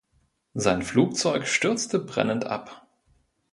Sein Flugzeug stürzte brennend ab.